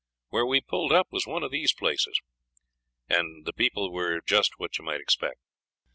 Where we pulled up was one of these places, and the people were just what you might expect.